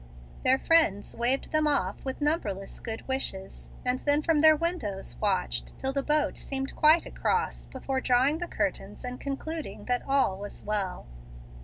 Their friends waved them off with numberless good wishes, and then from their windows watched till the boat seemed quite across, before drawing the curtains and concluding that all was well.